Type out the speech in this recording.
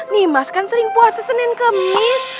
nih mas kan sering puasa senin kemis